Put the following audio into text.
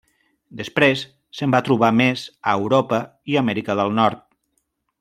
Després se’n van trobar més a Europa i Amèrica del Nord.